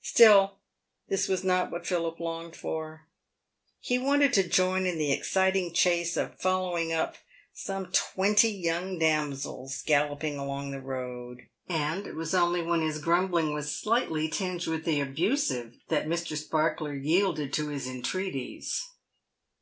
Still this was not what Philip longed for. He wanted to join in the exciting chase of following up some twenty young damsels galloping along the road, and it was only when his grumbling was slightly tinged with the abusive that Mr. Sparkler yielded to his entreaties.